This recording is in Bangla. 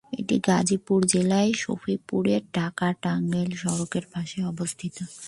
এটি গাজীপুর জেলার সফিপুরে ঢাকা-টাংগাইল সড়কের পাশে অবস্থিত।